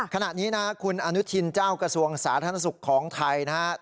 ขณะนี้นะคุณอนุทินเจ้ากระทรวงสาธารณสุขของไทยนะครับ